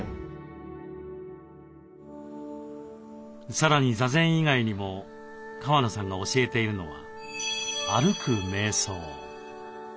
さらに座禅以外にも川野さんが教えているのは「歩くめい想」。